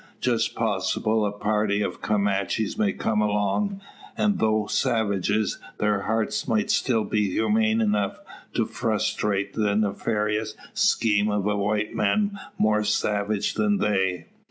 Just possible a party of Comanches may come along; and though savages, their hearts might still be humane enough to frustrate the nefarious scheme of a white man more savage than they.